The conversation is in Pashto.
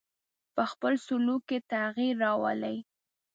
په خپل سلوک کې تغیر راولي.